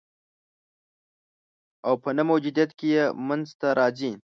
او په نه موجودیت کي یې منځ ته راځي